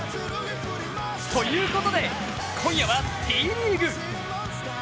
ということで今夜はＴリーグ。